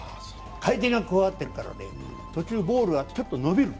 回転が加わっているから、途中ボールがちょっと伸びる。